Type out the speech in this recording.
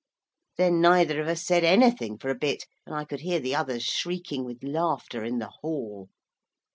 Then neither of us said anything for a bit and I could hear the others shrieking with laughter in the hall.